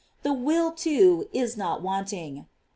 The will, too, is not wanting.